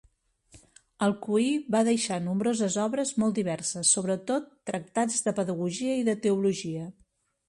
Alcuí va deixar nombroses obres, molt diverses, sobretot tractats de pedagogia i de teologia.